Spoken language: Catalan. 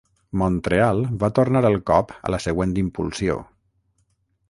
Montreal va tornar el cop a la següent impulsió.